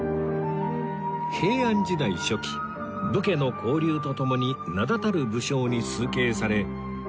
平安時代初期武家の興隆とともに名だたる武将に崇敬され